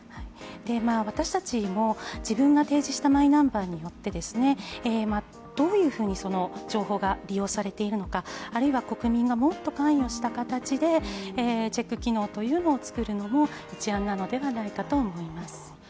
私たちも、自分が提示したマイナンバーによって、どういうふうに情報が利用されているのかあるいは国民がもっと関与した形でチェック機能というのを作るのも一案なのではないかと思います。